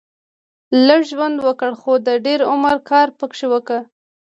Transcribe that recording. لږ ژوند وګړهٔ خو د دېر عمر کار پکښي وکړهٔ